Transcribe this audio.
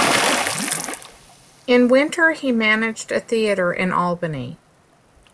In winter, he managed a theatre in Albany.